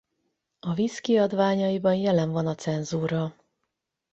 A Viz kiadványaiban jelen van a cenzúra.